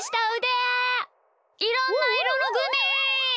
いろんないろのグミ！